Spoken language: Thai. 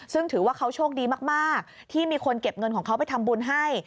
ซึ่งถือว่าเขาโชคดีมากที่มีคนเก็บเงินของเขาไปทำบุญให้